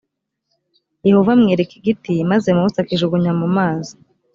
yehova amwereka igiti maze mose akijugunya mu mazi